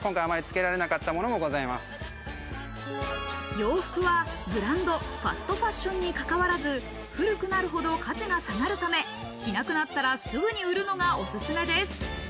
洋服はブランド、ファストファッションにかかわらず、古くなるほど価値が下がるため、着なくなったらすぐに売るのがおすすめです。